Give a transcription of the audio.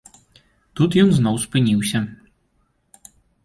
Тут ён зноў спыніўся.